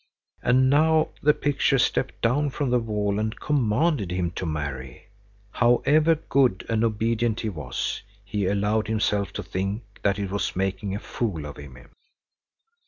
—And now the picture stepped down from the wall and commanded him to marry! However good and obedient he was, he allowed himself to think that it was making a fool of him.